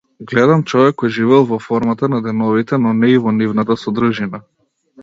Гледам човек кој живеел во формата на деновите, но не и во нивната содржина.